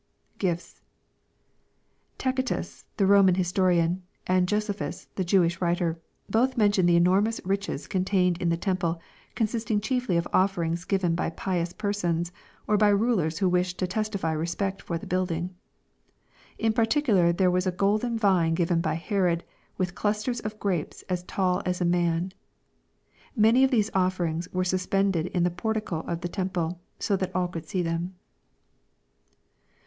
[QifU^I Tacitus, the Roman historian, and Josephus, the Jew ish writer, both mention the enormous riches contained in the temple, consisting chiefly of offerings given by pious persons, or by rulers who wished to testify respect for the building. In particular there was a golden vine given by Herod, with clusters of grapes as tall as a man. Many of these offerings were sus pended in the portico of the temple, so that all could see them.